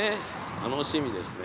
楽しみですね。